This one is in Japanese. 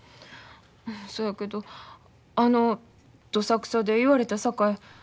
そやけどあのどさくさで言われたさかい